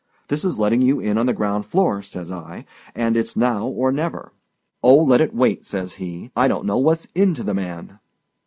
This is letting you in on the ground floor,' says I, 'and it's now or never.' 'Oh, let it wait,' says he. I don't know what's in to the man."